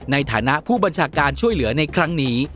ในฐานะผู้บัญชาการช่วยเหลือในครั้งนี้